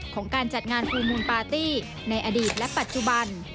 ของการจัดงานฟูลมูลปาร์ตี้ในอดีตและปัจจุบัน